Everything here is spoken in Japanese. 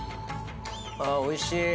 あおいしい。